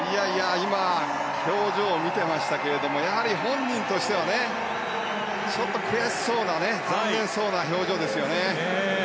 表情を見てましたけどもやはり本人としてはちょっと悔しそうな残念そうな表情ですよね。